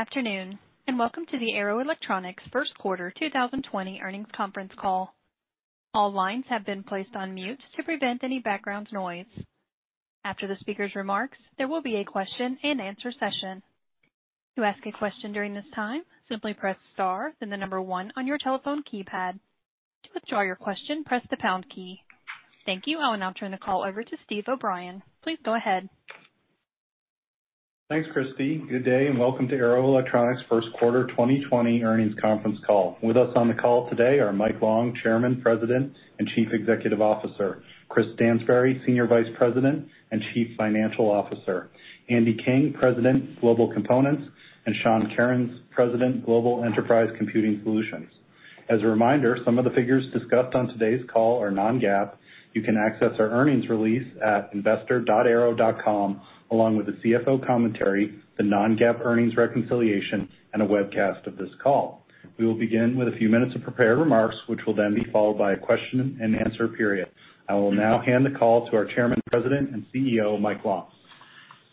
Good afternoon, and welcome to the Arrow Electronics first quarter 2020 earnings conference call. All lines have been placed on mute to prevent any background noise. After the speaker's remarks, there will be a question and answer session. To ask a question during this time, simply press star, then 1 on your telephone keypad. To withdraw your question, press the pound key. Thank you. I will now turn the call over to Steve O'Brien. Please go ahead. Thanks, Chris. Good day and welcome to Arrow Electronics first quarter 2020 earnings conference call. With us on the call today are Mike Long, Chairman, President, and Chief Executive Officer. Chris Stansbury, Senior Vice President and Chief Financial Officer. Andy King, President, Global Components. And Sean Kerins, President, Global Enterprise Computing Solutions. As a reminder, some of the figures discussed on today's call are non-GAAP. You can access our earnings release at investor.arrow.com, along with the CFO commentary, the non-GAAP earnings reconciliation, and a webcast of this call. We will begin with a few minutes of prepared remarks, which will then be followed by a question-and-answer period. I will now hand the call to our Chairman, President, and CEO, Mike Long.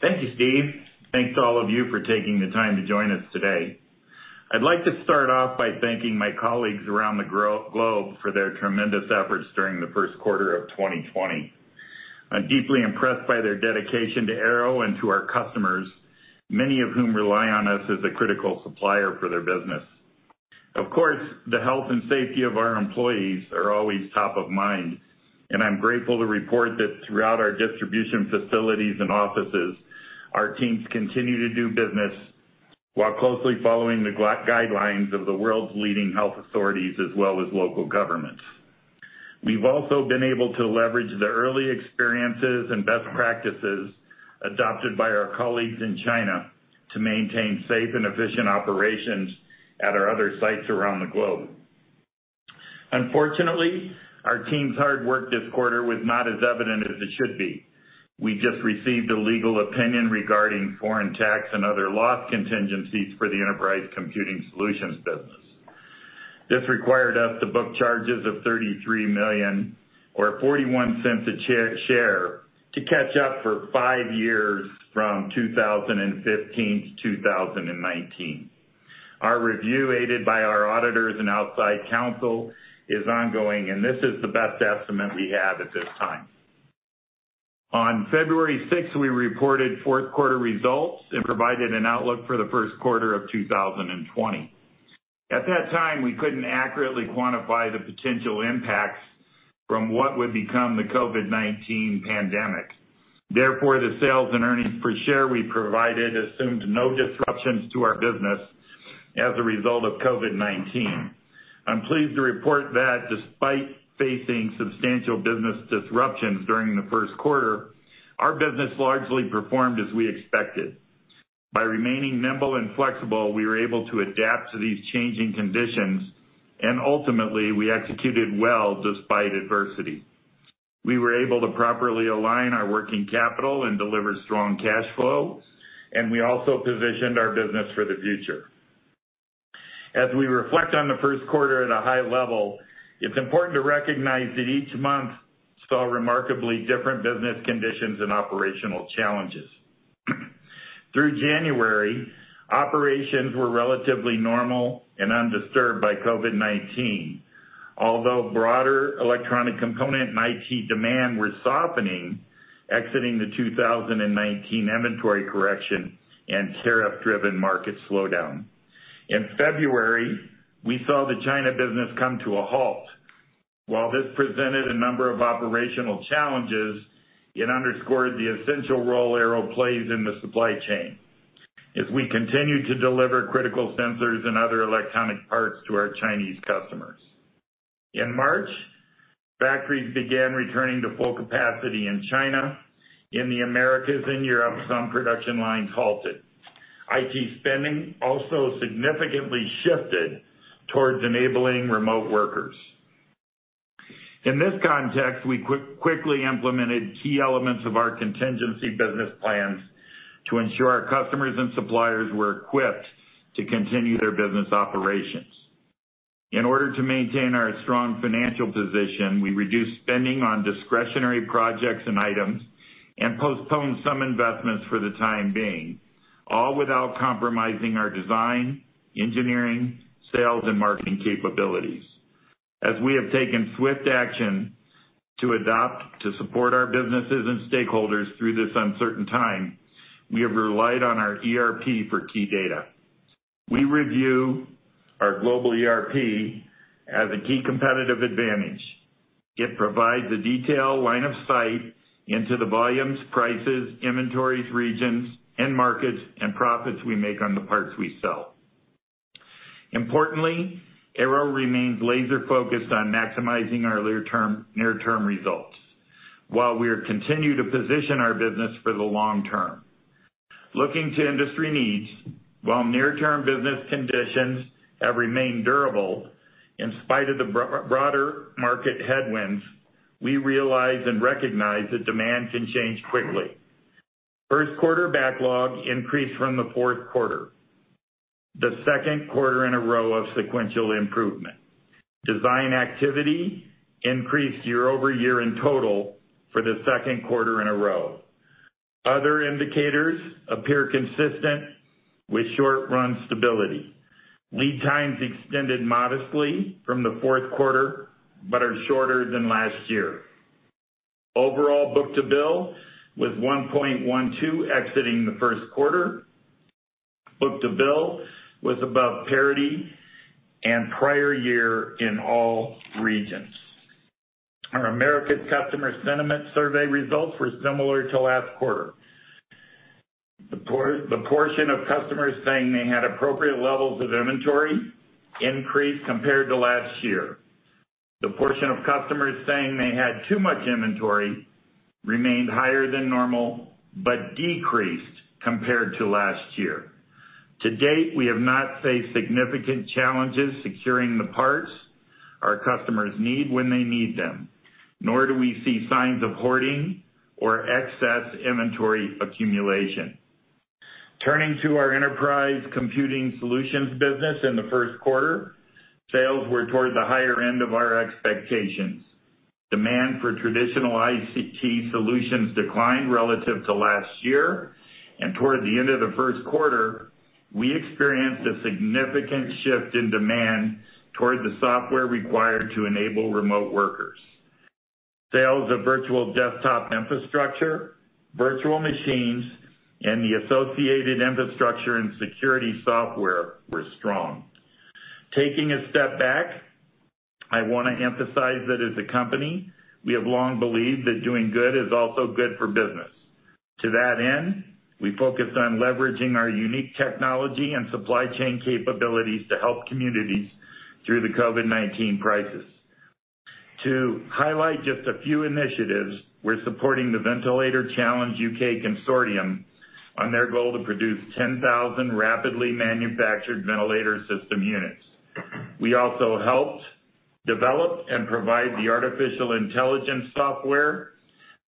Thank you, Steve. Thanks to all of you for taking the time to join us today. I'd like to start off by thanking my colleagues around the globe for their tremendous efforts during the first quarter of 2020. I'm deeply impressed by their dedication to Arrow and to our customers, many of whom rely on us as a critical supplier for their business. Of course, the health and safety of our employees are always top of mind, and I'm grateful to report that throughout our distribution facilities and offices, our teams continue to do business while closely following the guidelines of the world's leading health authorities as well as local governments. We've also been able to leverage the early experiences and best practices adopted by our colleagues in China to maintain safe and efficient operations at our other sites around the globe. Unfortunately, our team's hard work this quarter was not as evident as it should be. We just received a legal opinion regarding foreign tax and other loss contingencies for the Enterprise Computing Solutions business. This required us to book charges of $33 million or $0.41 a share to catch up for Five years from 2015 to 2019. Our review, aided by our auditors and outside counsel, is ongoing, and this is the best estimate we have at this time. On February 6, we reported fourth quarter results and provided an outlook for the first quarter of 2020. At that time, we couldn't accurately quantify the potential impacts from what would become the COVID-19 pandemic. Therefore, the sales and earnings per share we provided assumed no disruptions to our business as a result of COVID-19. I'm pleased to report that despite facing substantial business disruptions during the first quarter, our business largely performed as we expected. By remaining nimble and flexible, we were able to adapt to these changing conditions, and ultimately, we executed well despite adversity. We were able to properly align our working capital and deliver strong cash flow, and we also positioned our business for the future. As we reflect on the first quarter at a high level, it's important to recognize that each month saw remarkably different business conditions and operational challenges. Through January, operations were relatively normal and undisturbed by COVID-19, although broader electronic component and IT demand were softening, exiting the 2019 inventory correction and tariff-driven market slowdown. In February, we saw the China business come to a halt. While this presented a number of operational challenges, it underscored the essential role Arrow plays in the supply chain as we continue to deliver critical sensors and other electronic parts to our Chinese customers. In March, factories began returning to full capacity in China. In the Americas and Europe, some production lines halted. IT spending also significantly shifted towards enabling remote workers. In this context, we quickly implemented key elements of our contingency business plans to ensure our customers and suppliers were equipped to continue their business operations. In order to maintain our strong financial position, we reduced spending on discretionary projects and items and postponed some investments for the time being, all without compromising our design, engineering, sales, and marketing capabilities. As we have taken swift action to adapt to support our businesses and stakeholders through this uncertain time, we have relied on our ERP for key data. We review our global ERP as a key competitive advantage. It provides a detailed line of sight into the volumes, prices, inventories, regions, and markets, and profits we make on the parts we sell. Importantly, Arrow remains laser-focused on maximizing our near-term results while we continue to position our business for the long term. Looking to industry needs, while near-term business conditions have remained durable in spite of the broader market headwinds, we realize and recognize that demand can change quickly. First quarter backlog increased from the fourth quarter. The second quarter in a row of sequential improvement. Design activity increased year-over-year in total for the second quarter in a row. Other indicators appear consistent with short-run stability. Lead times extended modestly from the fourth quarter but are shorter than last year. Overall book-to-bill was 1.12, exiting the first quarter. book-to-bill was above parity and prior year in all regions. Our Americas Customer Sentiment Survey results were similar to last quarter. The portion of customers saying they had appropriate levels of inventory increased compared to last year. The portion of customers saying they had too much inventory remained higher than normal but decreased compared to last year. To date, we have not faced significant challenges securing the parts our customers need when they need them, nor do we see signs of hoarding or excess inventory accumulation. Turning to our Enterprise Computing Solutions business in the first quarter, sales were toward the higher end of our expectations. Demand for traditional ICT solutions declined relative to last year, and toward the end of the first quarter, we experienced a significant shift in demand toward the software required to enable remote workers. Sales of virtual desktop infrastructure, virtual machines, and the associated infrastructure and security software were strong. Taking a step back, I want to emphasize that as a company, we have long believed that doing good is also good for business. To that end, we focused on leveraging our unique technology and supply chain capabilities to help communities through the COVID-19 crisis. To highlight just a few initiatives, we're supporting the Ventilator Challenge UK Consortium on their goal to produce 10,000 rapidly manufactured ventilator system units. We also helped develop and provide the artificial intelligence software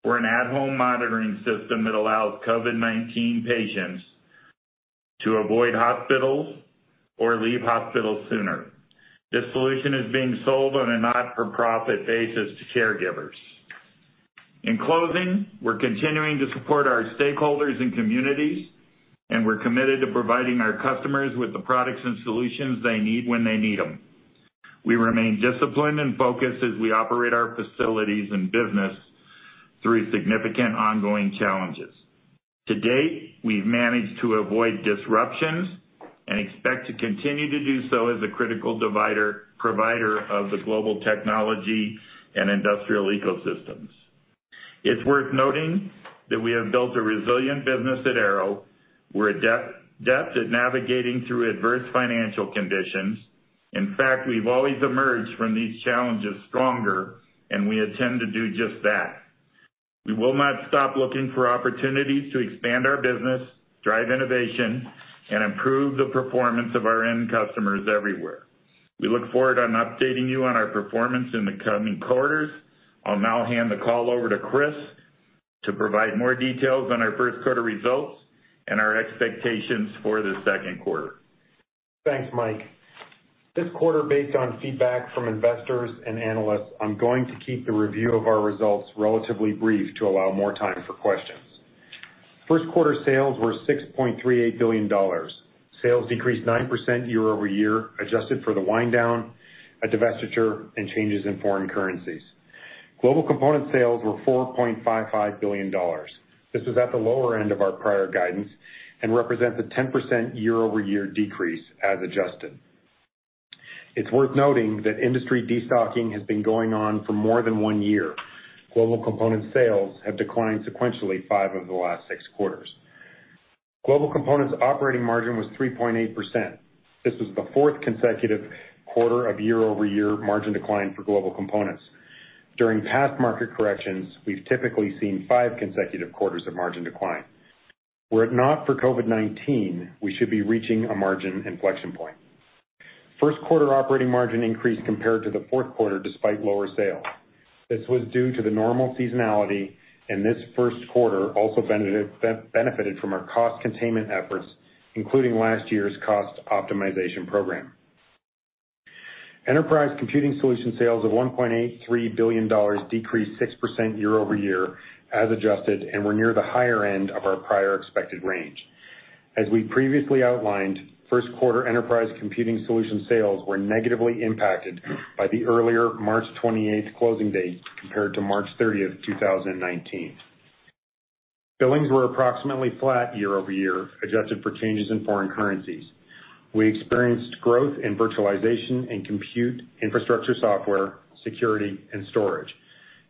for an at-home monitoring system that allows COVID-19 patients to avoid hospitals or leave hospitals sooner. This solution is being sold on a not-for-profit basis to caregivers. In closing, we're continuing to support our stakeholders and communities, and we're committed to providing our customers with the products and solutions they need when they need them. We remain disciplined and focused as we operate our facilities and business through significant ongoing challenges. To date, we've managed to avoid disruptions and expect to continue to do so as a critical provider of the global technology and industrial ecosystems. It's worth noting that we have built a resilient business at Arrow. We're adept at navigating through adverse financial conditions. In fact, we've always emerged from these challenges stronger, and we intend to do just that. We will not stop looking for opportunities to expand our business, drive innovation, and improve the performance of our end customers everywhere. We look forward to updating you on our performance in the coming quarters. I'll now hand the call over to Chris to provide more details on our first quarter results and our expectations for the second quarter. Thanks, Mike. This quarter, based on feedback from investors and analysts, I'm going to keep the review of our results relatively brief to allow more time for questions. First quarter sales were $6.38 billion. Sales decreased 9% year-over-year, adjusted for the wind-down, a divestiture, and changes in foreign currencies. Global Components sales were $4.55 billion. This is at the lower end of our prior guidance and represents a 10% year-over-year decrease as adjusted. It's worth noting that industry destocking has been going on for more than one year. Global Components sales have declined sequentially five of the last six quarters. Global Components' operating margin was 3.8%. This was the fourth consecutive quarter of year-over-year margin decline for Global Components. During past market corrections, we've typically seen five consecutive quarters of margin decline. Were it not for COVID-19, we should be reaching a margin inflection point. First quarter operating margin increased compared to the fourth quarter despite lower sales. This was due to the normal seasonality, and this first quarter also benefited from our cost containment efforts, including last year's cost optimization program. Enterprise Computing Solutions sales of $1.83 billion decreased 6% year-over-year as adjusted and were near the higher end of our prior expected range. As we previously outlined, first quarter Enterprise Computing Solutions sales were negatively impacted by the earlier March 28th closing date compared to March 30th, 2019. Billings were approximately flat year-over-year, adjusted for changes in foreign currencies. We experienced growth in virtualization and compute, infrastructure software, security, and storage.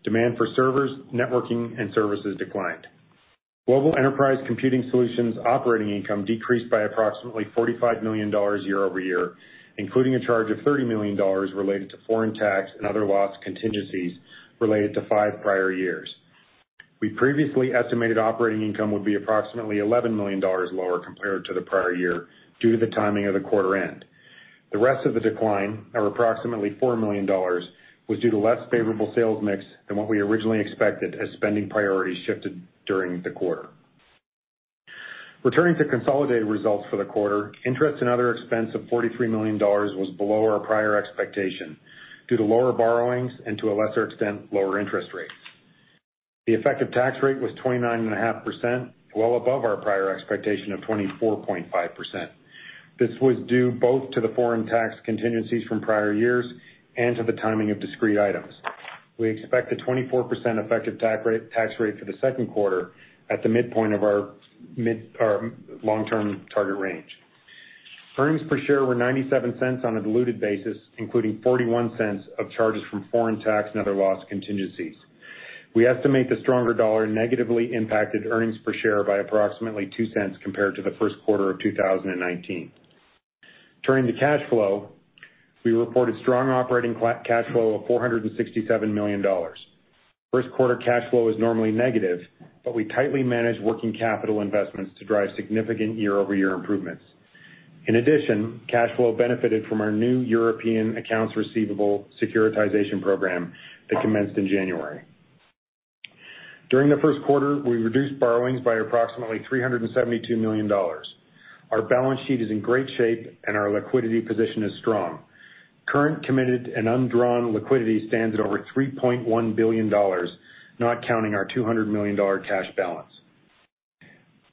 Demand for servers, networking, and services declined. Global Enterprise Computing Solutions operating income decreased by approximately $45 million year-over-year, including a charge of $30 million related to foreign tax and other loss contingencies related to five prior years. We previously estimated operating income would be approximately $11 million lower compared to the prior year due to the timing of the quarter end. The rest of the decline, of approximately $4 million, was due to less favorable sales mix than what we originally expected as spending priorities shifted during the quarter. Returning to consolidated results for the quarter, interest and other expense of $43 million was below our prior expectation due to lower borrowings and, to a lesser extent, lower interest rates. The effective tax rate was 29.5%, well above our prior expectation of 24.5%. This was due both to the foreign tax contingencies from prior years and to the timing of discrete items. We expect a 24% effective tax rate for the second quarter at the midpoint of our long-term target range. Earnings per share were $0.97 on a diluted basis, including $0.41 of charges from foreign tax and other loss contingencies. We estimate the stronger dollar negatively impacted earnings per share by approximately $0.02 compared to the first quarter of 2019. Turning to cash flow, we reported strong operating cash flow of $467 million. First quarter cash flow is normally negative, but we tightly managed working capital investments to drive significant year-over-year improvements. In addition, cash flow benefited from our new European Accounts Receivable Securitization Program that commenced in January. During the first quarter, we reduced borrowings by approximately $372 million. Our balance sheet is in great shape, and our liquidity position is strong. Current committed and undrawn liquidity stands at over $3.1 billion, not counting our $200 million cash balance.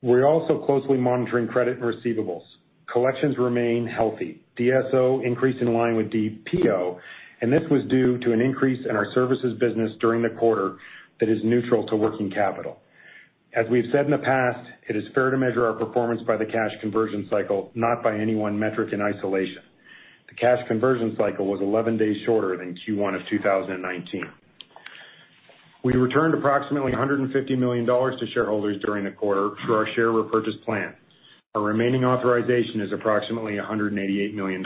We're also closely monitoring credit and receivables. Collections remain healthy. DSO increased in line with DPO, and this was due to an increase in our services business during the quarter that is neutral to working capital. As we've said in the past, it is fair to measure our performance by the cash conversion cycle, not by any one metric in isolation. The cash conversion cycle was 11 days shorter than Q1 of 2019. We returned approximately $150 million to shareholders during the quarter through our share repurchase plan. Our remaining authorization is approximately $188 million.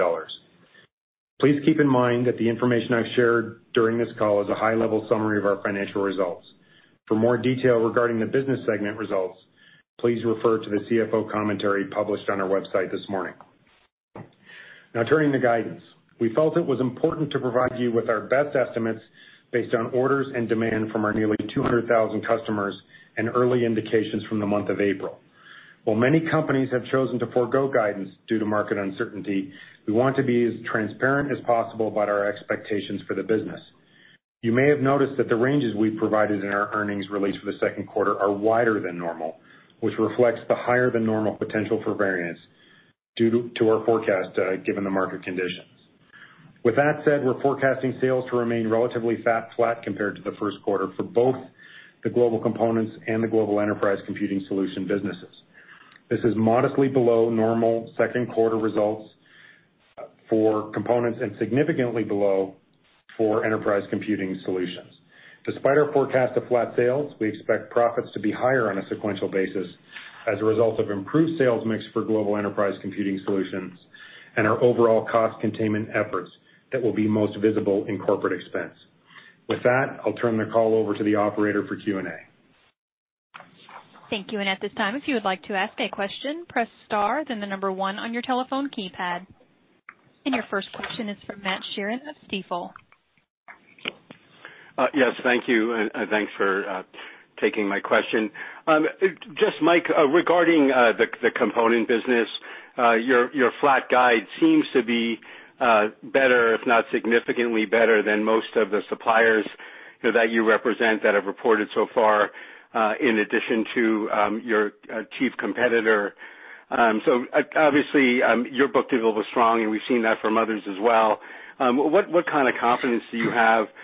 Please keep in mind that the information I've shared during this call is a high-level summary of our financial results. For more detail regarding the business segment results, please refer to the CFO commentary published on our website this morning. Now, turning to guidance, we felt it was important to provide you with our best estimates based on orders and demand from our nearly 200,000 customers and early indications from the month of April. While many companies have chosen to forgo guidance due to market uncertainty, we want to be as transparent as possible about our expectations for the business. You may have noticed that the ranges we've provided in our earnings release for the second quarter are wider than normal, which reflects the higher-than-normal potential for variance due to our forecast given the market conditions. With that said, we're forecasting sales to remain relatively flat compared to the first quarter for both the Global Components and the Global Enterprise Computing Solutions businesses. This is modestly below normal second-quarter results for components and significantly below for enterprise computing solutions. Despite our forecast of flat sales, we expect profits to be higher on a sequential basis as a result of improved sales mix for Global Enterprise Computing Solutions and our overall cost containment efforts that will be most visible in corporate expense. With that, I'll turn the call over to the operator for Q&A. Thank you. At this time, if you would like to ask a question, press star, then the number one on your telephone keypad. Your first question is from Matt Sheerin of Stifel. Yes, thank you. And thanks for taking my question. Just, Mike, regarding the component business, your flat guide seems to be better, if not significantly better, than most of the suppliers that you represent that have reported so far, in addition to your chief competitor. So obviously, your book-to-bill was strong, and we've seen that from others as well. What kind of confidence do you have in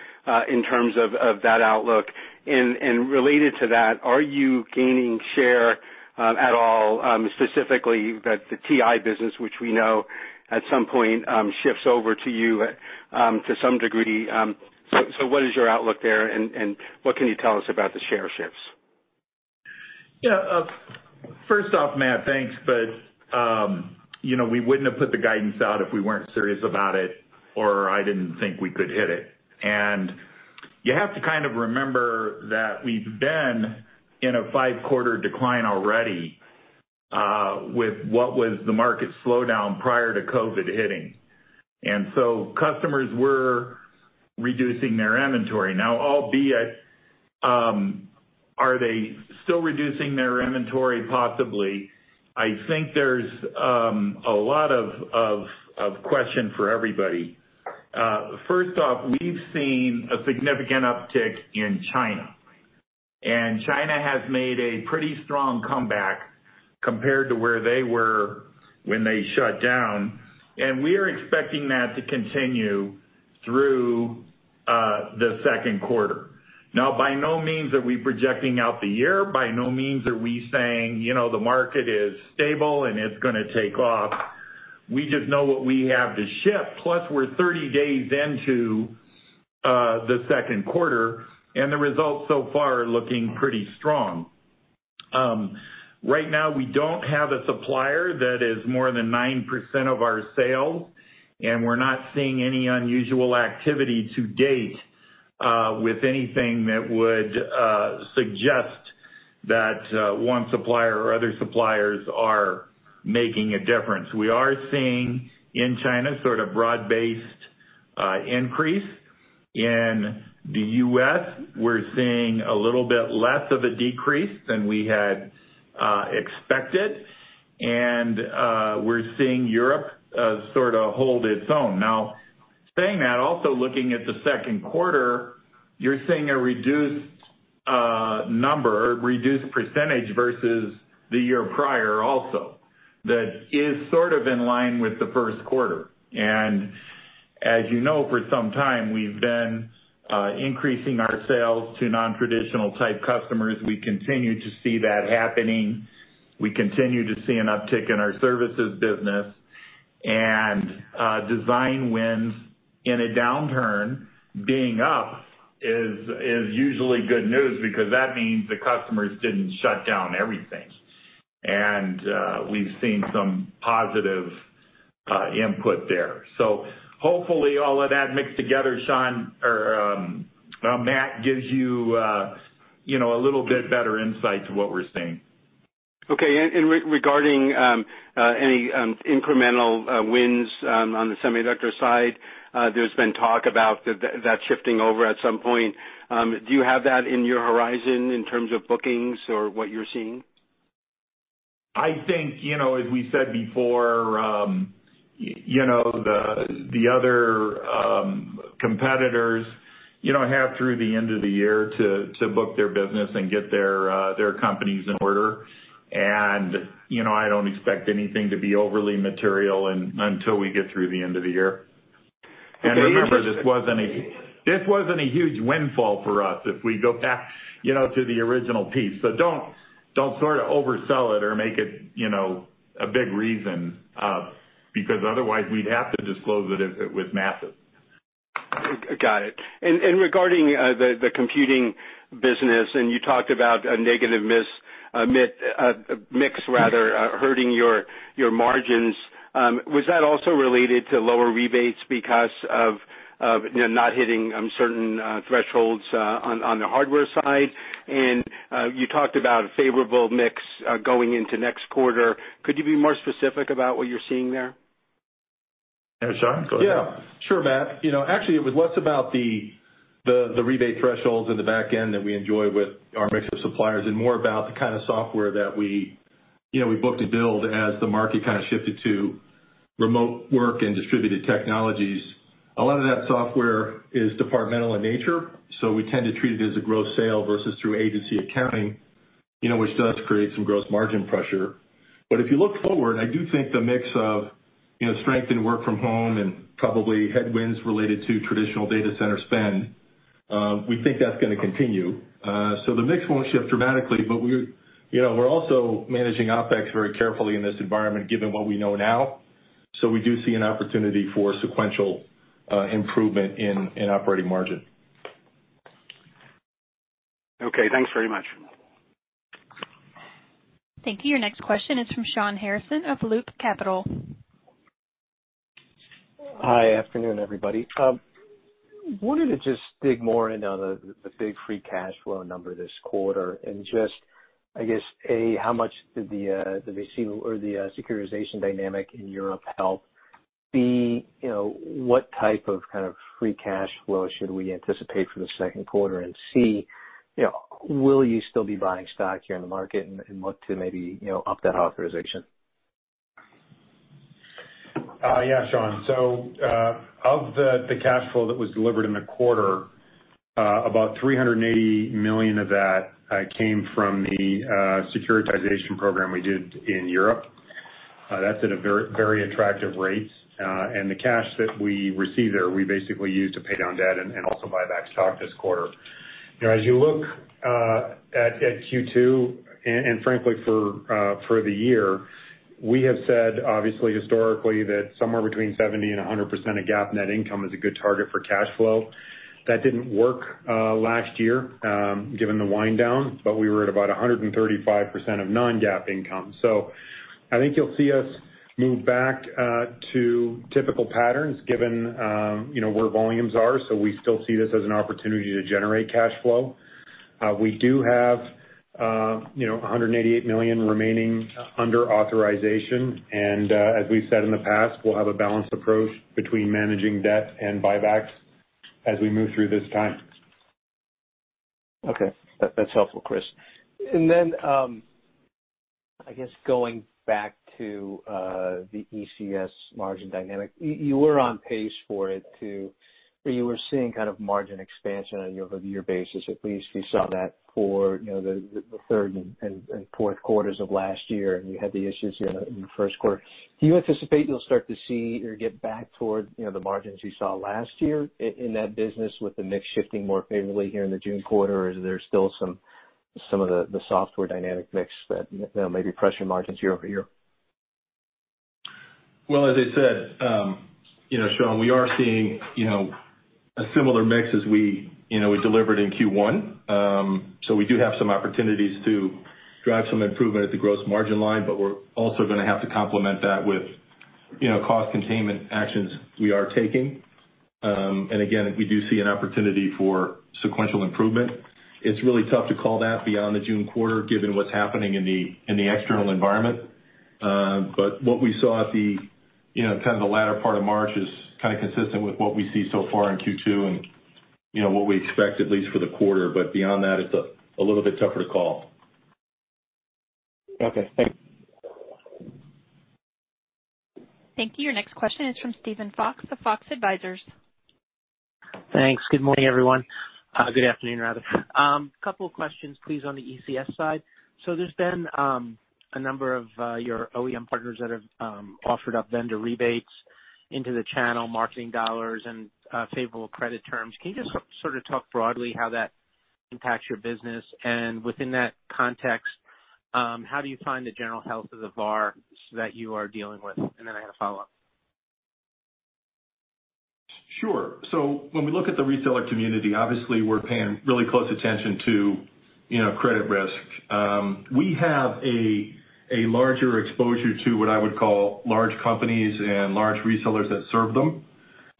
terms of that outlook? And related to that, are you gaining share at all, specifically the TI business, which we know at some point shifts over to you to some degree? So what is your outlook there, and what can you tell us about the share shifts? Yeah. First off, Matt, thanks. But we wouldn't have put the guidance out if we weren't serious about it, or I didn't think we could hit it. And you have to kind of remember that we've been in a five-quarter decline already with what was the market slowdown prior to COVID hitting. And so customers were reducing their inventory. Now, albeit, are they still reducing their inventory? Possibly. I think there's a lot of question for everybody. First off, we've seen a significant uptick in China. And China has made a pretty strong comeback compared to where they were when they shut down. And we are expecting that to continue through the second quarter. Now, by no means are we projecting out the year. By no means are we saying the market is stable and it's going to take off. We just know what we have to ship. Plus, we're 30 days into the second quarter, and the results so far are looking pretty strong. Right now, we don't have a supplier that is more than 9% of our sales, and we're not seeing any unusual activity to date with anything that would suggest that one supplier or other suppliers are making a difference. We are seeing in China sort of broad-based increase. In the U.S., we're seeing a little bit less of a decrease than we had expected. And we're seeing Europe sort of hold its own. Now, saying that, also looking at the second quarter, you're seeing a reduced number, reduced percentage versus the year prior also, that is sort of in line with the first quarter. And as you know, for some time, we've been increasing our sales to non-traditional-type customers. We continue to see that happening. We continue to see an uptick in our services business. Design wins in a downturn being up is usually good news because that means the customers didn't shut down everything. We've seen some positive input there. Hopefully, all of that mixed together, Sean or Matt, gives you a little bit better insight to what we're seeing. Okay. Regarding any incremental wins on the semiconductor side, there's been talk about that shifting over at some point. Do you have that in your horizon in terms of bookings or what you're seeing? I think, as we said before, the other competitors have through the end of the year to book their business and get their companies in order. And I don't expect anything to be overly material until we get through the end of the year. And remember, this wasn't a huge windfall for us if we go back to the original piece. So don't sort of oversell it or make it a big reason because otherwise we'd have to disclose it en masse. Got it. Regarding the computing business, and you talked about a negative mix rather hurting your margins. Was that also related to lower rebates because of not hitting certain thresholds on the hardware side? You talked about a favorable mix going into next quarter. Could you be more specific about what you're seeing there? Yeah. Sorry. Go ahead. Yeah. Sure, Matt. Actually, it was less about the rebate thresholds in the back end that we enjoy with our mix of suppliers and more about the kind of software that we book-to-bill as the market kind of shifted to remote work and distributed technologies. A lot of that software is departmental in nature, so we tend to treat it as a gross sale versus through agency accounting, which does create some gross margin pressure. But if you look forward, I do think the mix of strengthened work-from-home and probably headwinds related to traditional data center spend, we think that's going to continue. So the mix won't shift dramatically, but we're also managing OPEX very carefully in this environment given what we know now. So we do see an opportunity for sequential improvement in operating margin. Okay. Thanks very much. Thank you. Your next question is from Shawn Harrison of Loop Capital. Hi, afternoon, everybody. Wanted to just dig more into the big free cash flow number this quarter and just, I guess, A, how much did the securitization dynamic in Europe help? B, what type of kind of free cash flow should we anticipate for the second quarter? And C, will you still be buying stock here in the market and look to maybe up that authorization? Yeah, Sean. So of the cash flow that was delivered in the quarter, about $380 million of that came from the securitization program we did in Europe. That's at a very attractive rate. And the cash that we receive there, we basically use to pay down debt and also buy back stock this quarter. As you look at Q2, and frankly, for the year, we have said, obviously, historically, that somewhere between 70-100% of GAAP net income is a good target for cash flow. That didn't work last year given the wind down, but we were at about 135% of non-GAAP income. So I think you'll see us move back to typical patterns given where volumes are, so we still see this as an opportunity to generate cash flow. We do have $188 million remaining under authorization. As we've said in the past, we'll have a balanced approach between managing debt and buybacks as we move through this time. Okay. That's helpful, Chris. And then, I guess, going back to the ECS margin dynamic, you were on pace for it to where you were seeing kind of margin expansion on a year-over-year basis. At least you saw that for the third and fourth quarters of last year, and you had the issues in the first quarter. Do you anticipate you'll start to see or get back toward the margins you saw last year in that business with the mix shifting more favorably here in the June quarter, or is there still some of the software dynamic mix that maybe pressure margins year-over-year? Well, as I said, Sean, we are seeing a similar mix as we delivered in Q1. So we do have some opportunities to drive some improvement at the gross margin line, but we're also going to have to complement that with cost containment actions we are taking. And again, we do see an opportunity for sequential improvement. It's really tough to call that beyond the June quarter given what's happening in the external environment. But what we saw at the kind of the latter part of March is kind of consistent with what we see so far in Q2 and what we expect, at least for the quarter. But beyond that, it's a little bit tougher to call. Okay. Thanks. Thank you. Your next question is from Steven Fox of Fox Advisors. Thanks. Good morning, everyone. Good afternoon, rather. A couple of questions, please, on the ECS side. So there's been a number of your OEM partners that have offered up vendor rebates into the channel, marketing dollars, and favorable credit terms. Can you just sort of talk broadly how that impacts your business? And within that context, how do you find the general health of the VARs that you are dealing with? And then I had a follow-up. Sure. So when we look at the retailer community, obviously, we're paying really close attention to credit risk. We have a larger exposure to what I would call large companies and large retailers that serve them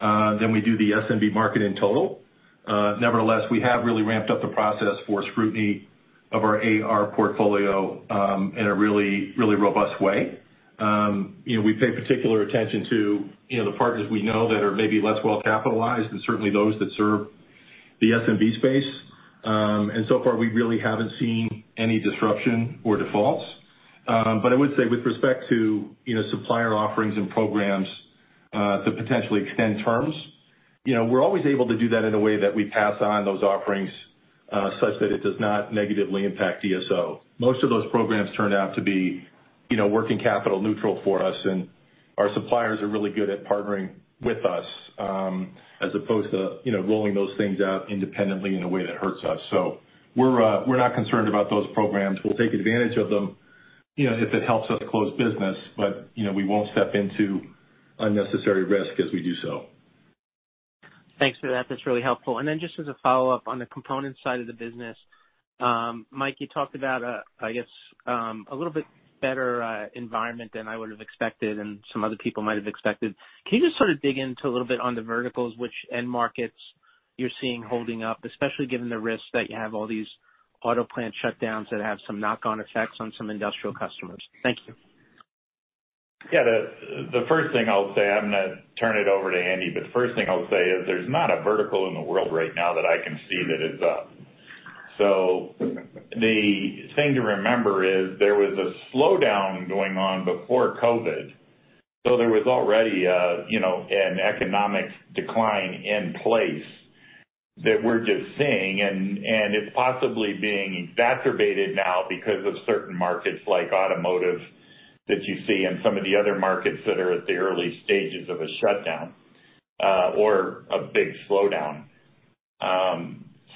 than we do the SMB market in total. Nevertheless, we have really ramped up the process for scrutiny of our AR portfolio in a really, really robust way. We pay particular attention to the partners we know that are maybe less well-capitalized and certainly those that serve the SMB space. And so far, we really haven't seen any disruption or defaults. But I would say with respect to supplier offerings and programs to potentially extend terms, we're always able to do that in a way that we pass on those offerings such that it does not negatively impact DSO. Most of those programs turned out to be working capital neutral for us, and our suppliers are really good at partnering with us as opposed to rolling those things out independently in a way that hurts us. So we're not concerned about those programs. We'll take advantage of them if it helps us close business, but we won't step into unnecessary risk as we do so. Thanks for that. That's really helpful. And then just as a follow-up on the component side of the business, Mike, you talked about, I guess, a little bit better environment than I would have expected and some other people might have expected. Can you just sort of dig into a little bit on the verticals, which end markets you're seeing holding up, especially given the risk that you have all these auto plant shutdowns that have some knock-on effects on some industrial customers? Thank you. Yeah. The first thing I'll say, I'm going to turn it over to Andy, but the first thing I'll say is there's not a vertical in the world right now that I can see that is up. So the thing to remember is there was a slowdown going on before COVID. So there was already an economic decline in place that we're just seeing, and it's possibly being exacerbated now because of certain markets like automotive that you see and some of the other markets that are at the early stages of a shutdown or a big slowdown.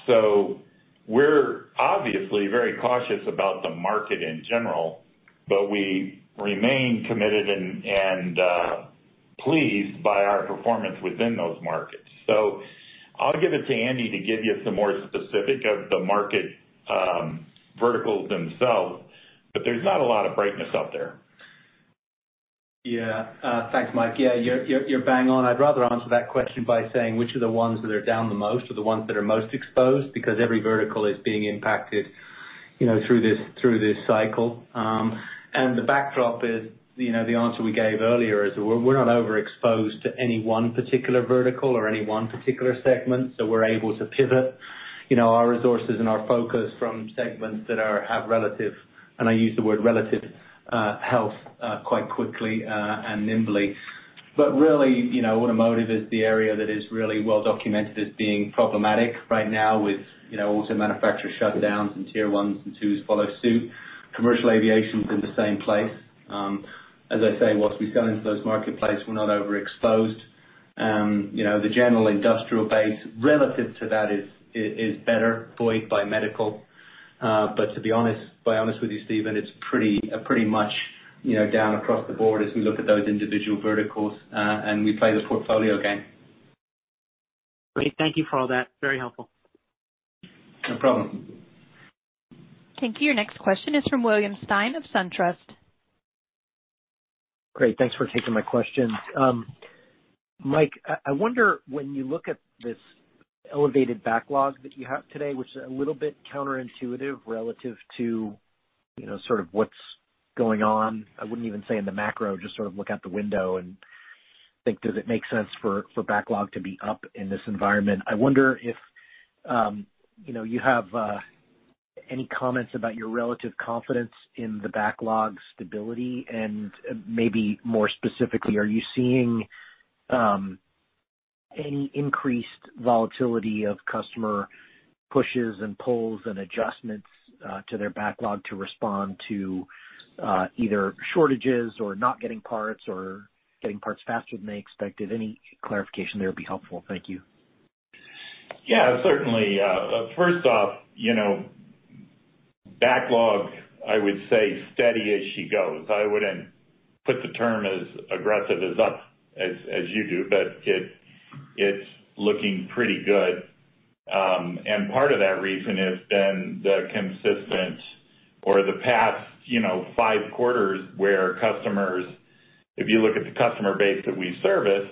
So we're obviously very cautious about the market in general, but we remain committed and pleased by our performance within those markets. So I'll give it to Andy to give you some more specifics of the market verticals themselves, but there's not a lot of brightness up there. Yeah. Thanks, Mike. Yeah. You're bang on. I'd rather answer that question by saying which are the ones that are down the most or the ones that are most exposed because every vertical is being impacted through this cycle. And the backdrop is the answer we gave earlier is we're not overexposed to any one particular vertical or any one particular segment. So we're able to pivot our resources and our focus from segments that have relative, and I use the word relative health quite quickly and nimbly. But really, automotive is the area that is really well-documented as being problematic right now with auto manufacturer shutdowns and tier ones and twos follow suit. Commercial aviation is in the same place. As I say, once we sell into those marketplace, we're not overexposed. The general industrial base relative to that is better buoyed by medical. But to be honest with you, Steven, it's pretty much down across the board as we look at those individual verticals, and we play the portfolio game. Great. Thank you for all that. Very helpful. No problem. Thank you. Your next question is from William Stein of SunTrust. Great. Thanks for taking my questions. Mike, I wonder when you look at this elevated backlog that you have today, which is a little bit counterintuitive relative to sort of what's going on, I wouldn't even say in the macro, just sort of look out the window and think, does it make sense for backlog to be up in this environment? I wonder if you have any comments about your relative confidence in the backlog stability and maybe more specifically, are you seeing any increased volatility of customer pushes and pulls and adjustments to their backlog to respond to either shortages or not getting parts or getting parts faster than they expected? Any clarification there would be helpful. Thank you. Yeah. Certainly. First off, backlog, I would say steady as she goes. I wouldn't put the term as aggressive as you do, but it's looking pretty good. And part of that reason has been the consistent or the past five quarters where customers, if you look at the customer base that we service,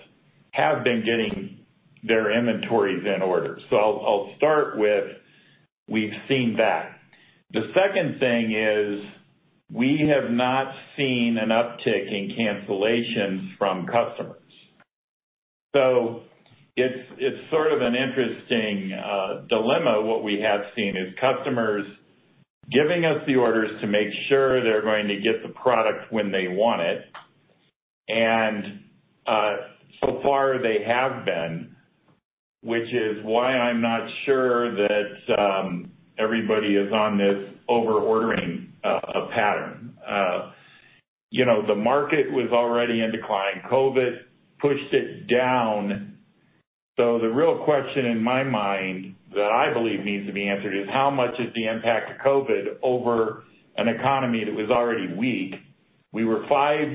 have been getting their inventories in order. So I'll start with we've seen that. The second thing is we have not seen an uptick in cancellations from customers. So it's sort of an interesting dilemma. What we have seen is customers giving us the orders to make sure they're going to get the product when they want it. And so far, they have been, which is why I'm not sure that everybody is on this over-ordering pattern. The market was already in decline. COVID pushed it down. So the real question in my mind that I believe needs to be answered is how much is the impact of COVID over an economy that was already weak? We were five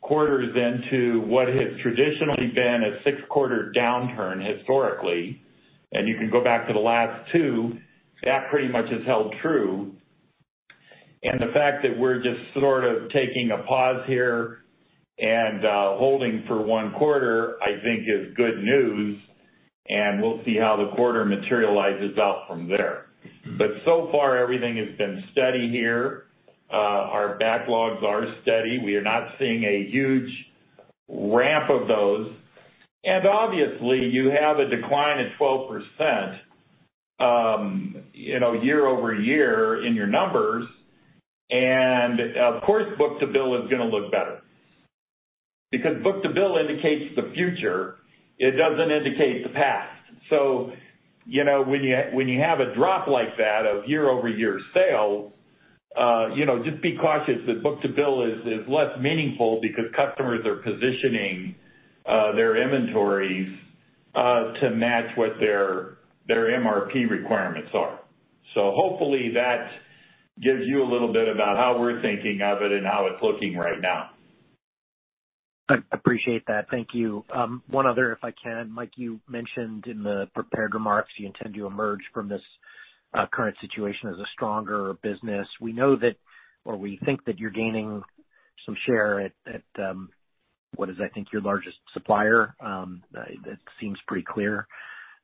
quarters into what has traditionally been a six-quarter downturn historically. And you can go back to the last two. That pretty much has held true. And the fact that we're just sort of taking a pause here and holding for one quarter, I think, is good news. And we'll see how the quarter materializes out from there. But so far, everything has been steady here. Our backlogs are steady. We are not seeing a huge ramp of those. And obviously, you have a decline of 12% year-over-year in your numbers. And of course, book-to-bill is going to look better because book-to-bill indicates the future. It doesn't indicate the past. So when you have a drop like that of year-over-year sales, just be cautious that book-to-bill is less meaningful because customers are positioning their inventories to match what their MRP requirements are. So hopefully, that gives you a little bit about how we're thinking of it and how it's looking right now. I appreciate that. Thank you. One other, if I can, Mike, you mentioned in the prepared remarks you intend to emerge from this current situation as a stronger business. We know that, or we think that you're gaining some share at what is, I think, your largest supplier. That seems pretty clear.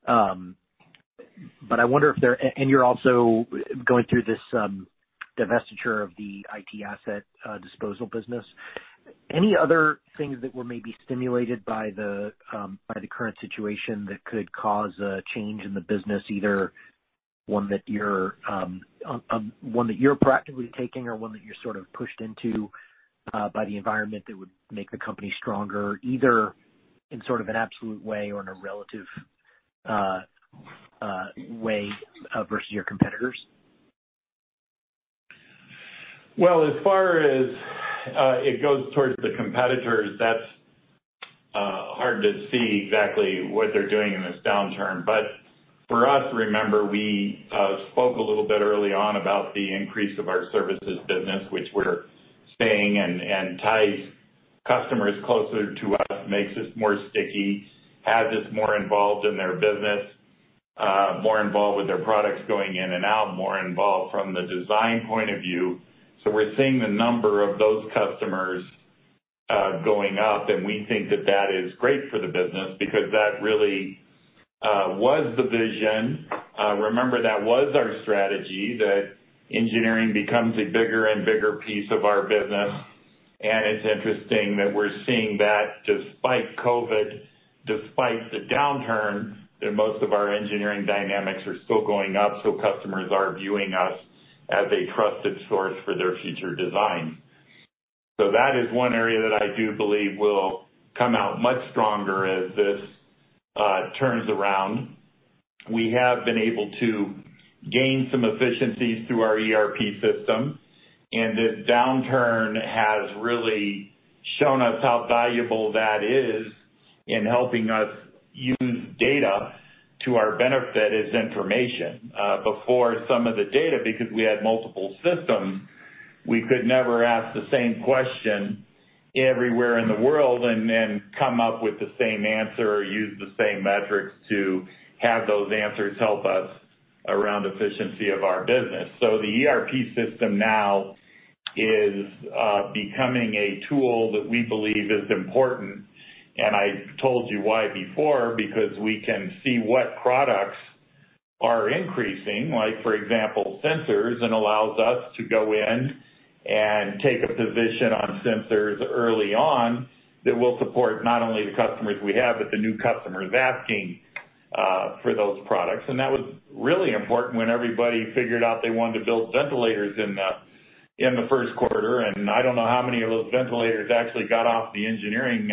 But I wonder if there—and you're also going through this divestiture of the IT asset disposal business. Any other things that were maybe stimulated by the current situation that could cause a change in the business, either one that you're practically taking or one that you're sort of pushed into by the environment that would make the company stronger, either in sort of an absolute way or in a relative way versus your competitors? Well, as far as it goes towards the competitors, that's hard to see exactly what they're doing in this downturn. But for us, remember, we spoke a little bit early on about the increase of our services business, which we're seeing and ties customers closer to us, makes us more sticky, has us more involved in their business, more involved with their products going in and out, more involved from the design point of view. So we're seeing the number of those customers going up, and we think that that is great for the business because that really was the vision. Remember, that was our strategy, that engineering becomes a bigger and bigger piece of our business. And it's interesting that we're seeing that despite COVID, despite the downturn, that most of our engineering dynamics are still going up. So customers are viewing us as a trusted source for their future designs. So that is one area that I do believe will come out much stronger as this turns around. We have been able to gain some efficiencies through our ERP system, and this downturn has really shown us how valuable that is in helping us use data to our benefit as information. Before, some of the data, because we had multiple systems, we could never ask the same question everywhere in the world and come up with the same answer or use the same metrics to have those answers help us around efficiency of our business. So the ERP system now is becoming a tool that we believe is important. I told you why before, because we can see what products are increasing, like for example, sensors, and allows us to go in and take a position on sensors early on that will support not only the customers we have, but the new customers asking for those products. And that was really important when everybody figured out they wanted to build ventilators in the first quarter. And I don't know how many of those ventilators actually got off the engineering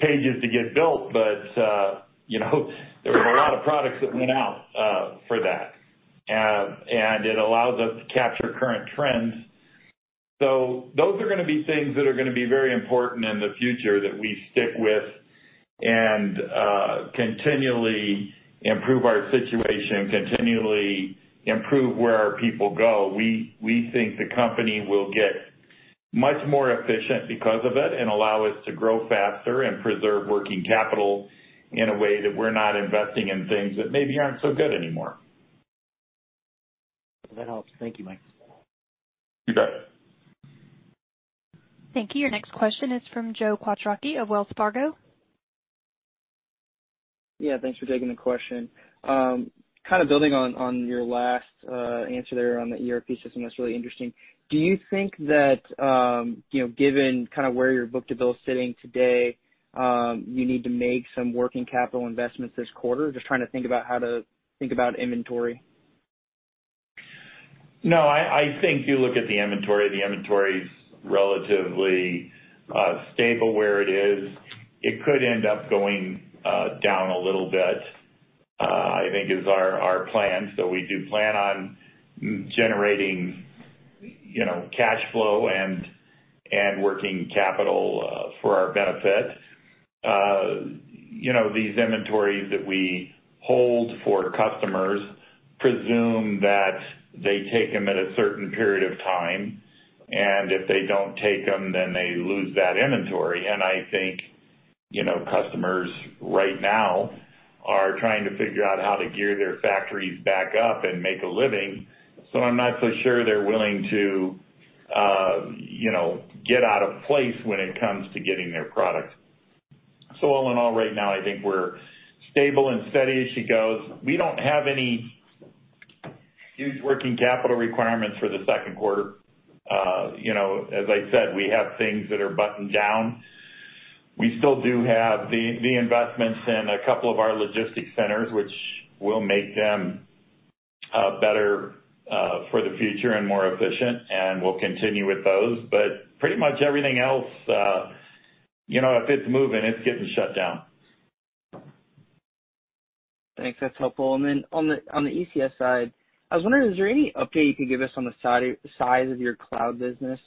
pages to get built, but there were a lot of products that went out for that. And it allows us to capture current trends. So those are going to be things that are going to be very important in the future that we stick with and continually improve our situation, continually improve where our people go. We think the company will get much more efficient because of it and allow us to grow faster and preserve working capital in a way that we're not investing in things that maybe aren't so good anymore. That helps. Thank you, Mike. You bet. Thank you. Your next question is from Joe Quatrochi of Wells Fargo. Yeah. Thanks for taking the question. Kind of building on your last answer there on the ERP system, that's really interesting. Do you think that given kind of where your book-to-bill is sitting today, you need to make some working capital investments this quarter? Just trying to think about how to think about inventory. No. I think you look at the inventory. The inventory is relatively stable where it is. It could end up going down a little bit, I think, is our plan. So we do plan on generating cash flow and working capital for our benefit. These inventories that we hold for customers presume that they take them at a certain period of time. If they don't take them, then they lose that inventory. I think customers right now are trying to figure out how to gear their factories back up and make a living. So I'm not so sure they're willing to get out of place when it comes to getting their product. So all in all, right now, I think we're stable and steady as she goes. We don't have any huge working capital requirements for the second quarter. As I said, we have things that are buttoned down. We still do have the investments in a couple of our logistics centers, which will make them better for the future and more efficient, and we'll continue with those. But pretty much everything else, if it's moving, it's getting shut down. Thanks. That's helpful. And then on the ECS side, I was wondering, is there any update you can give us on the size of your cloud business?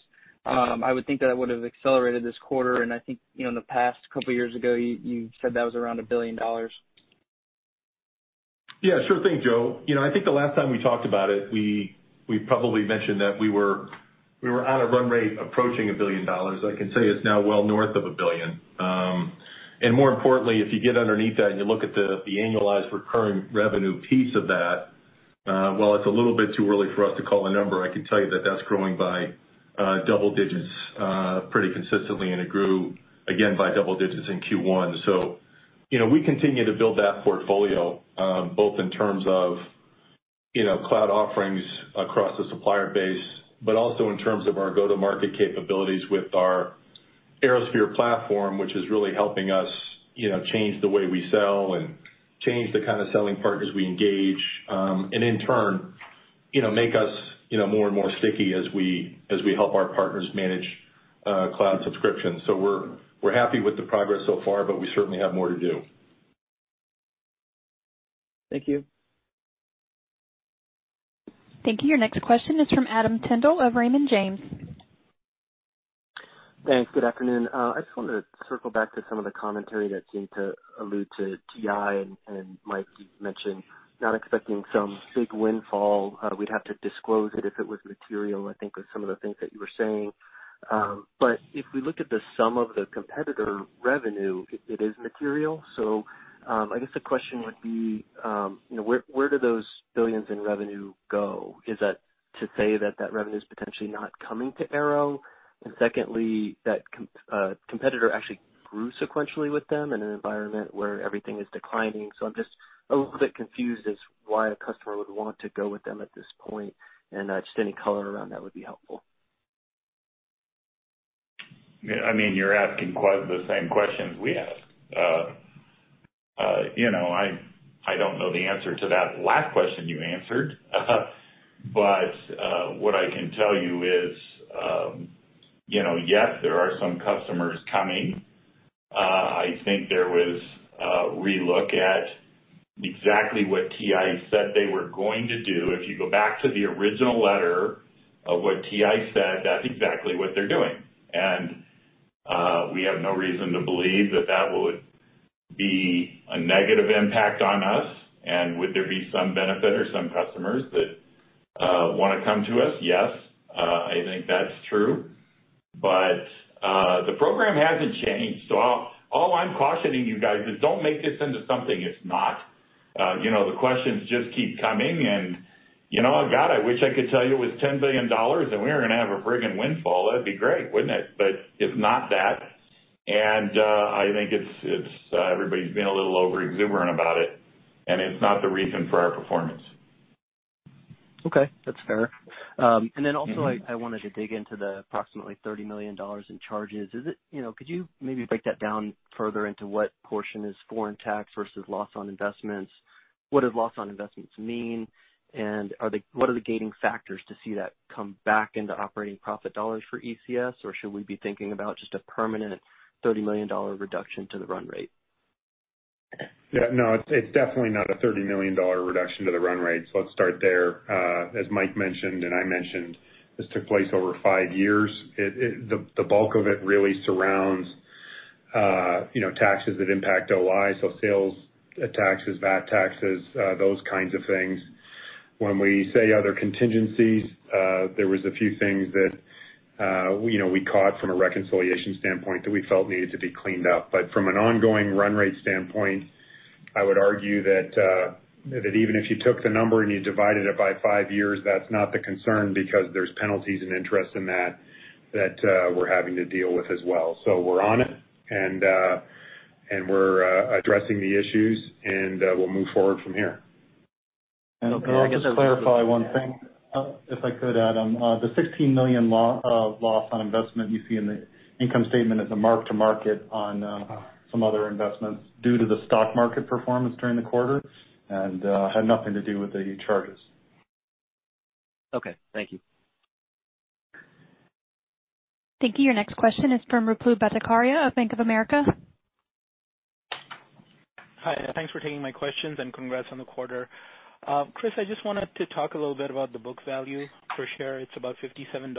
I would think that that would have accelerated this quarter. And I think in the past couple of years ago, you said that was around $1 billion. Yeah. Sure thing, Joe. I think the last time we talked about it, we probably mentioned that we were on a run rate approaching $1 billion. I can say it's now well north of $1 billion. And more importantly, if you get underneath that and you look at the annualized recurring revenue piece of that, well, it's a little bit too early for us to call a number. I can tell you that that's growing by double digits pretty consistently and it grew again by double digits in Q1. So we continue to build that portfolio both in terms of cloud offerings across the supplier base, but also in terms of our go-to-market capabilities with our ArrowSphere platform, which is really helping us change the way we sell and change the kind of selling partners we engage and in turn make us more and more sticky as we help our partners manage cloud subscriptions. So we're happy with the progress so far, but we certainly have more to do. Thank you. Thank you. Your next question is from Adam Tindle of Raymond James. Thanks. Good afternoon. I just wanted to circle back to some of the commentary that seemed to allude to TI, and Mike mentioned not expecting some big windfall. We'd have to disclose it if it was material, I think, with some of the things that you were saying. But if we look at the sum of the competitor revenue, it is material. So I guess the question would be, where do those billions in revenue go? Is that to say that that revenue is potentially not coming to Arrow? And secondly, that competitor actually grew sequentially with them in an environment where everything is declining. So I'm just a little bit confused as to why a customer would want to go with them at this point. And just any color around that would be helpful. I mean, you're asking quite the same questions we ask. I don't know the answer to that last question you answered, but what I can tell you is, yes, there are some customers coming. I think there was a re-look at exactly what TI said they were going to do. If you go back to the original letter of what TI said, that's exactly what they're doing. And we have no reason to believe that that would be a negative impact on us. And would there be some benefit or some customers that want to come to us? Yes. I think that's true. But the program hasn't changed. So all I'm cautioning you guys is don't make this into something it's not. The questions just keep coming. And God, I wish I could tell you it was $10 billion and we were going to have a friggin' windfall. That'd be great, wouldn't it? But it's not that. And I think everybody's been a little overexuberant about it. And it's not the reason for our performance. Okay. That's fair. And then also, I wanted to dig into the approximately $30 million in charges. Could you maybe break that down further into what portion is foreign tax versus loss on investments? What does loss on investments mean? And what are the gating factors to see that come back into operating profit dollars for ECS? Or should we be thinking about just a permanent $30 million reduction to the run rate? Yeah. No, it's definitely not a $30 million reduction to the run rate. So let's start there. As Mike mentioned and I mentioned, this took place over five years. The bulk of it really surrounds taxes that impact OI, so sales taxes, VAT taxes, those kinds of things. When we say other contingencies, there were a few things that we caught from a reconciliation standpoint that we felt needed to be cleaned up. But from an ongoing run rate standpoint, I would argue that even if you took the number and you divided it by five years, that's not the concern because there's penalties and interest in that that we're having to deal with as well. So we're on it, and we're addressing the issues, and we'll move forward from here. I guess to clarify one thing, if I could, Adam, the $16 million loss on investment you see in the income statement is a mark-to-market on some other investments due to the stock market performance during the quarter and had nothing to do with the charges. Okay. Thank you. Thank you. Your next question is from Ruplu Bhattacharya of Bank of America. Hi. Thanks for taking my questions and congrats on the quarter. Chris, I just wanted to talk a little bit about the book value. For sure, it's about $57.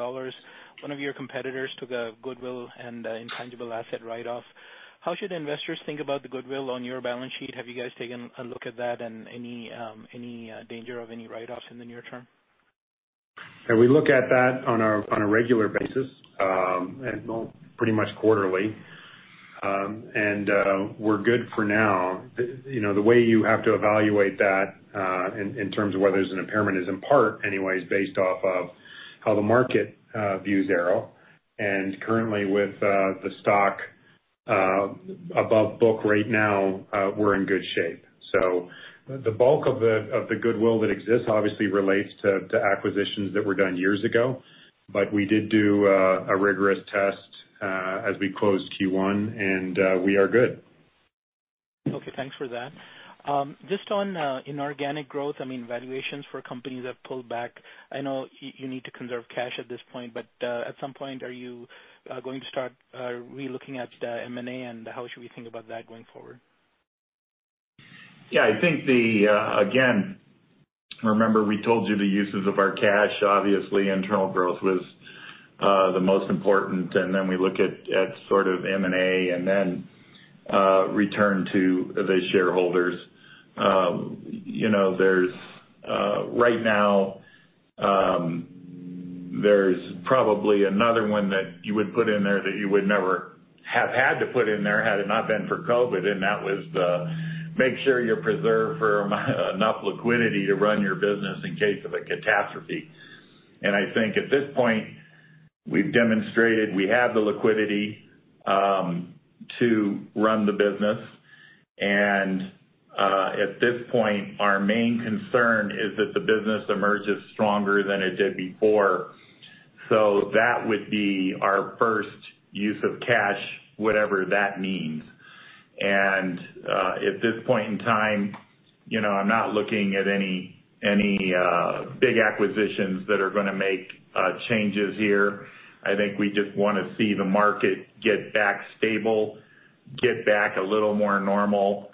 One of your competitors took a goodwill and intangible asset write-off. How should investors think about the goodwill on your balance sheet? Have you guys taken a look at that and any danger of any write-offs in the near term? Yeah. We look at that on a regular basis and pretty much quarterly. We're good for now. The way you have to evaluate that in terms of whether there's an impairment is in part anyways based off of how the market views Arrow. Currently, with the stock above book right now, we're in good shape. The bulk of the goodwill that exists obviously relates to acquisitions that were done years ago. We did do a rigorous test as we closed Q1, and we are good. Okay. Thanks for that. Just on inorganic growth, I mean, valuations for companies have pulled back. I know you need to conserve cash at this point, but at some point, are you going to start relooking at M&A and how should we think about that going forward? Yeah. I think, again, remember we told you the uses of our cash. Obviously, internal growth was the most important. And then we look at sort of M&A and then return to the shareholders. Right now, there's probably another one that you would put in there that you would never have had to put in there had it not been for COVID. And that was to make sure we preserved enough liquidity to run your business in case of a catastrophe. And I think at this point, we've demonstrated we have the liquidity to run the business. And at this point, our main concern is that the business emerges stronger than it did before. So that would be our first use of cash, whatever that means. And at this point in time, I'm not looking at any big acquisitions that are going to make changes here. I think we just want to see the market get back stable, get back a little more normal.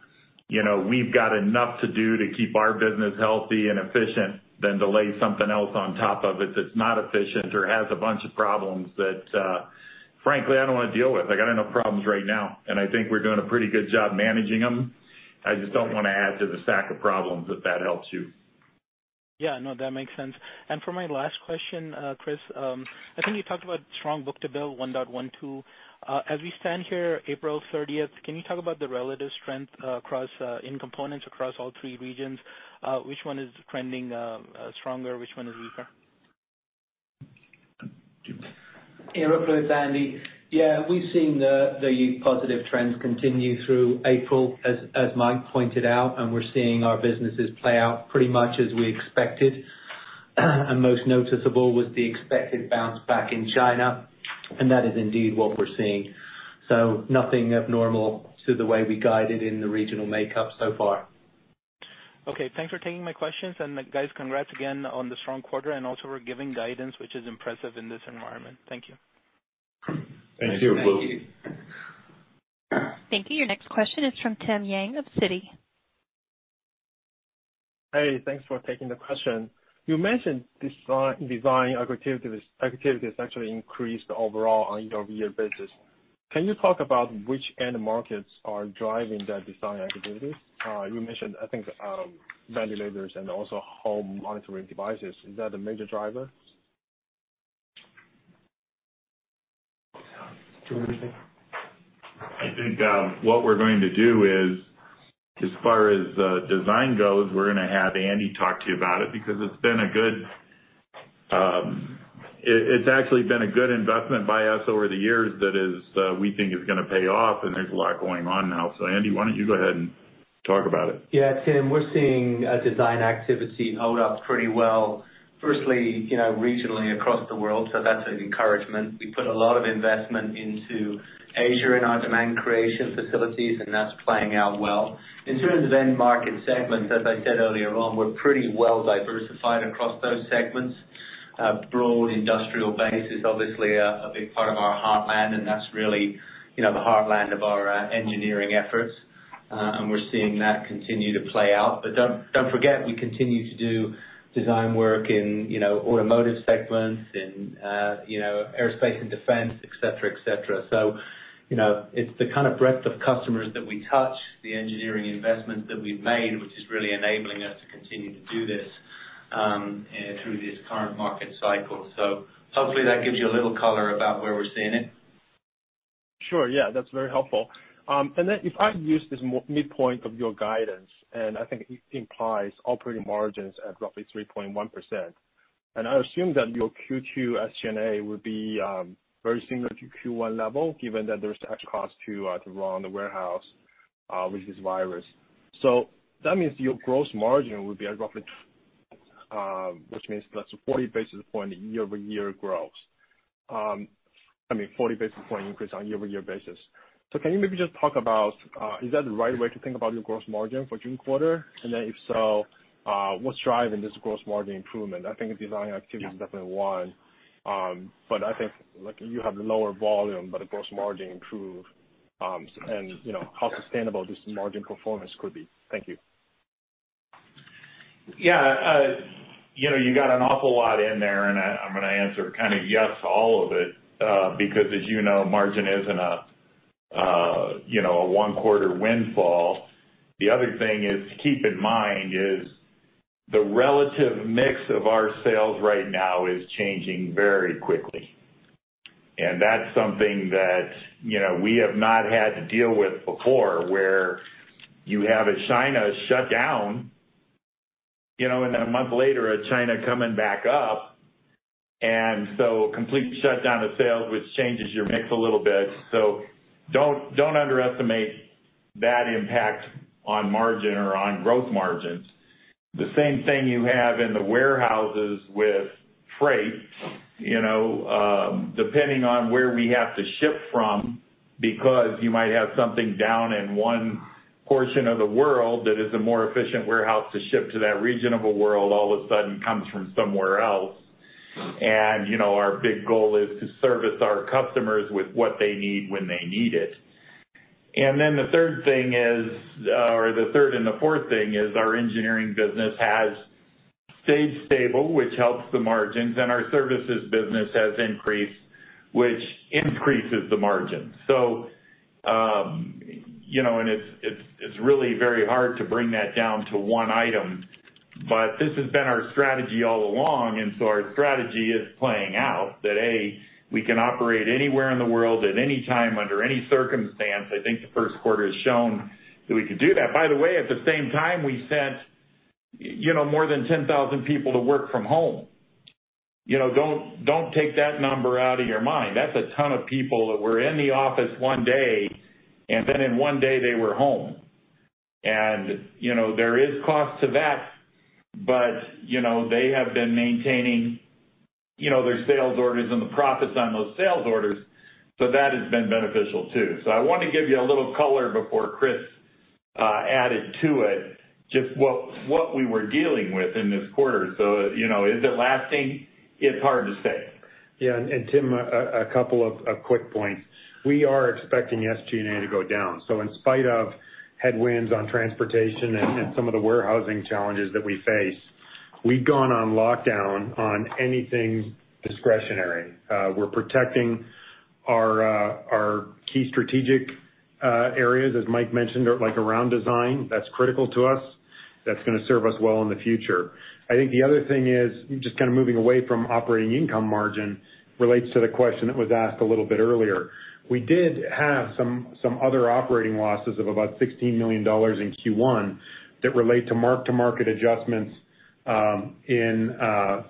We've got enough to do to keep our business healthy and efficient than to lay something else on top of it that's not efficient or has a bunch of problems that, frankly, I don't want to deal with. I got enough problems right now. I think we're doing a pretty good job managing them. I just don't want to add to the stack of problems if that helps you. Yeah. No, that makes sense. And for my last question, Chris, I think you talked about strong book-to-bill, 1.12. As we stand here, April 30th, can you talk about the relative strength in components across all three regions? Which one is trending stronger? Which one is weaker? Arrow folks, Andy. Yeah. We've seen the positive trends continue through April, as Mike pointed out. We're seeing our businesses play out pretty much as we expected. Most noticeable was the expected bounce back in China. That is indeed what we're seeing. So nothing abnormal to the way we guided in the regional makeup so far. Okay. Thanks for taking my questions. Guys, congrats again on the strong quarter and also for giving guidance, which is impressive in this environment. Thank you. Thank you. Thank you. Your next question is from Tim Yang of Citi. Hey. Thanks for taking the question. You mentioned design activities actually increased overall on a year-over-year basis. Can you talk about which end markets are driving that design activities? You mentioned, I think, ventilators and also home monitoring devices. Is that a major driver? I think what we're going to do is, as far as design goes, we're going to have Andy talk to you about it because it's been a good, it's actually been a good investment by us over the years that we think is going to pay off. And there's a lot going on now. So Andy, why don't you go ahead and talk about it? Yeah. Tim, we're seeing design activity hold up pretty well, firstly, regionally across the world. So that's an encouragement. We put a lot of investment into Asia in our demand creation facilities, and that's playing out well. In terms of end market segments, as I said earlier on, we're pretty well diversified across those segments. Broad industrial base is obviously a big part of our heartland, and that's really the heartland of our engineering efforts. And we're seeing that continue to play out. But don't forget, we continue to do design work in automotive segments, in aerospace and defense, etc., etc. So it's the kind of breadth of customers that we touch, the engineering investments that we've made, which is really enabling us to continue to do this through this current market cycle. So hopefully, that gives you a little color about where we're seeing it. Sure. Yeah. That's very helpful. And then if I use this midpoint of your guidance, and I think it implies operating margins at roughly 3.1%. And I assume that your Q2 SG&A would be very similar to Q1 level given that there's cost to run the warehouse with this virus. So that means your gross margin would be at roughly, which means that's a 40 basis point year-over-year growth. I mean, 40 basis point increase on a year-over-year basis. So can you maybe just talk about is that the right way to think about your gross margin for June quarter? And then if so, what's driving this gross margin improvement? I think design activity is definitely one. But I think you have lower volume, but the gross margin improved. And how sustainable this margin performance could be? Thank you. Yeah. You got an awful lot in there. And I'm going to answer kind of yes to all of it because, as you know, margin isn't a one-quarter windfall. The other thing to keep in mind is the relative mix of our sales right now is changing very quickly. And that's something that we have not had to deal with before where you have a China shutdown, and then a month later, a China coming back up. And so complete shutdown of sales, which changes your mix a little bit. So don't underestimate that impact on margin or on growth margins. The same thing you have in the warehouses with freight, depending on where we have to ship from because you might have something down in one portion of the world that is a more efficient warehouse to ship to that region of the world all of a sudden comes from somewhere else. Our big goal is to service our customers with what they need when they need it. And then the third thing is, or the third and the fourth thing is our engineering business has stayed stable, which helps the margins. Our services business has increased, which increases the margins. So it's really very hard to bring that down to one item. But this has been our strategy all along. So our strategy is playing out that, A, we can operate anywhere in the world at any time under any circumstance. I think the first quarter has shown that we could do that. By the way, at the same time, we sent more than 10,000 people to work-from-home. Don't take that number out of your mind. That's a ton of people that were in the office one day, and then in one day, they were home. And there is cost to that, but they have been maintaining their sales orders and the profits on those sales orders. So that has been beneficial too. So I wanted to give you a little color before Chris added to it, just what we were dealing with in this quarter. So is it lasting? It's hard to say. Yeah. And Tim, a couple of quick points. We are expecting SG&A to go down. So in spite of headwinds on transportation and some of the warehousing challenges that we face, we've gone on lockdown on anything discretionary. We're protecting our key strategic areas, as Mike mentioned, like around design. That's critical to us. That's going to serve us well in the future. I think the other thing is just kind of moving away from operating income margin relates to the question that was asked a little bit earlier. We did have some other operating losses of about $16 million in Q1 that relate to mark-to-market adjustments in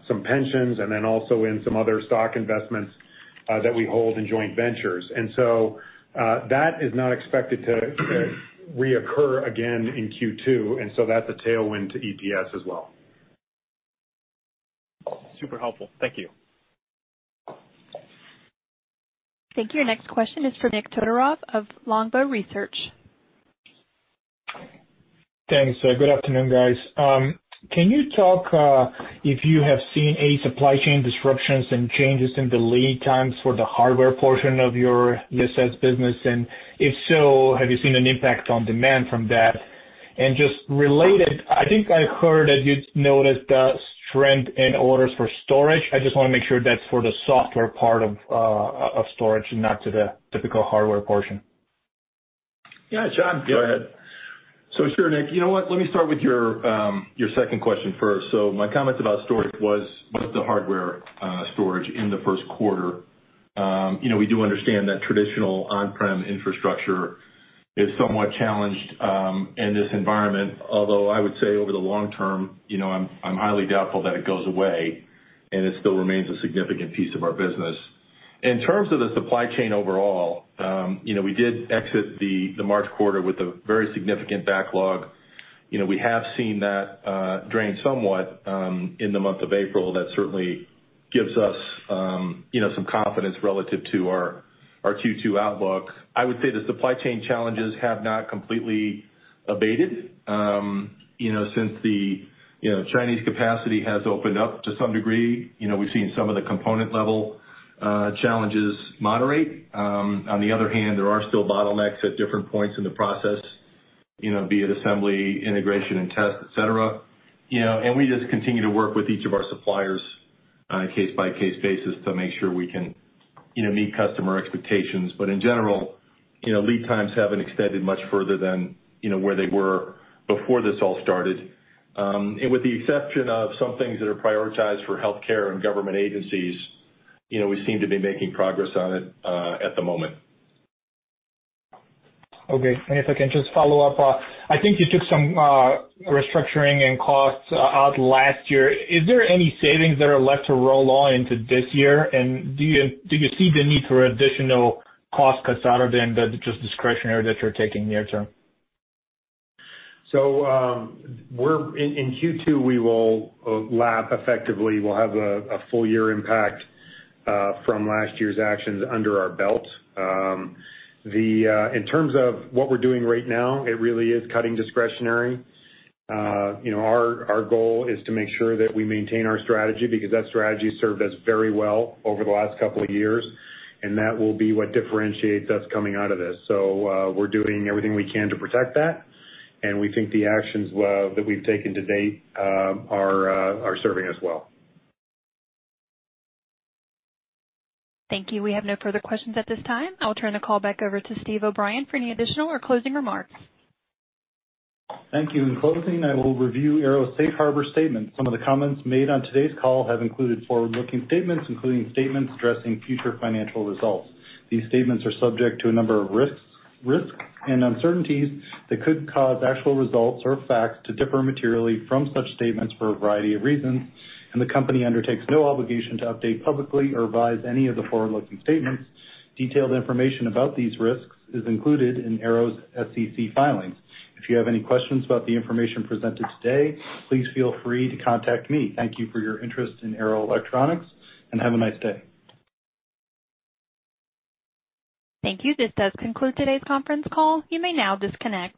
some pensions and then also in some other stock investments that we hold in joint ventures. And so that is not expected to reoccur again in Q2. And so that's a tailwind to EPS as well. Super helpful. Thank you. Thank you. Your next question is for Nik Todorov of Longbow Research. Thanks. Good afternoon, guys. Can you talk if you have seen any supply chain disruptions and changes in the lead times for the hardware portion of your ECS business? And if so, have you seen an impact on demand from that? And just related, I think I heard that you noticed the strength in orders for storage. I just want to make sure that's for the software part of storage and not to the typical hardware portion. Yeah. Sean, go ahead. So sure, Nick. You know what? Let me start with your second question first. So my comments about storage was the hardware storage in the first quarter. We do understand that traditional on-prem infrastructure is somewhat challenged in this environment, although I would say over the long term, I'm highly doubtful that it goes away and it still remains a significant piece of our business. In terms of the supply chain overall, we did exit the March quarter with a very significant backlog. We have seen that drain somewhat in the month of April. That certainly gives us some confidence relative to our Q2 outlook. I would say the supply chain challenges have not completely abated since the Chinese capacity has opened up to some degree. We've seen some of the component-level challenges moderate. On the other hand, there are still bottlenecks at different points in the process, be it assembly, integration, and test, etc. And we just continue to work with each of our suppliers on a case-by-case basis to make sure we can meet customer expectations. But in general, lead times haven't extended much further than where they were before this all started. And with the exception of some things that are prioritized for healthcare and government agencies, we seem to be making progress on it at the moment. Okay. And if I can just follow up, I think you took some restructuring and costs out last year. Is there any savings that are left to roll on into this year? And do you see the need for additional cost cuts other than the just discretionary that you're taking near term? In Q2, we will lap effectively. We'll have a full year impact from last year's actions under our belt. In terms of what we're doing right now, it really is cutting discretionary. Our goal is to make sure that we maintain our strategy because that strategy served us very well over the last couple of years. That will be what differentiates us coming out of this. We're doing everything we can to protect that. We think the actions that we've taken to date are serving us well. Thank you. We have no further questions at this time. I'll turn the call back over to Steve O'Brien for any additional or closing remarks. Thank you. In closing, I will review Arrow's Safe Harbor statements. Some of the comments made on today's call have included forward-looking statements, including statements addressing future financial results. These statements are subject to a number of risks and uncertainties that could cause actual results or facts to differ materially from such statements for a variety of reasons. The company undertakes no obligation to update publicly or revise any of the forward-looking statements. Detailed information about these risks is included in Arrow's SEC filings. If you have any questions about the information presented today, please feel free to contact me. Thank you for your interest in Arrow Electronics, and have a nice day. Thank you. This does conclude today's conference call. You may now disconnect.